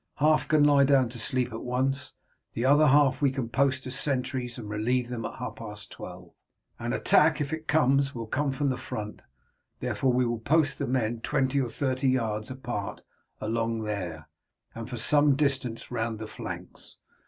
Half can lie down to sleep at once, the other half we can post as sentries and relieve them at half past twelve. An attack if it comes will come from the front, therefore we will post the men twenty or thirty yards apart along there, and for some distance round the flanks.